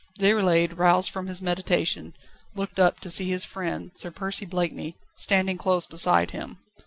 Déroulède, roused from his meditation, looked up, to see his friend, Sir Percy Blakeney, standing close beside him.